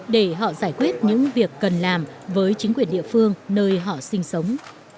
để họ giải quyết những việc cần làm với chính quyền địa phương nơi họ sinh sống